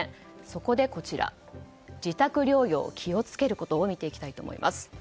そこで自宅療養気を付けることを見ていきたいと思います。